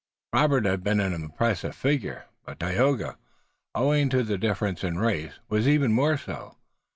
Robert had been an impressive figure, but Tayoga, owing to the difference in race, was even more so.